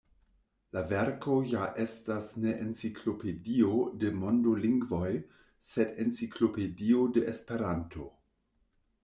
La verko ja estas ne enciklopedio de mondolingvoj, sed Enciklopedio de Esperanto.